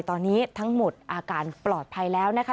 ตอนนี้ทั้งหมดอาการปลอดภัยแล้วนะคะ